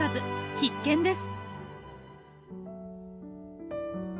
必見です。